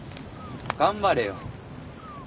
頑張れよ。